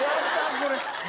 これ。